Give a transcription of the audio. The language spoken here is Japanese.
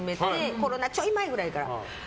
コロナちょい前くらいから。